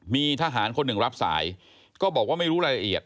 มีทหารคนหนึ่งรับสายก็บอกว่าไม่รู้รายละเอียด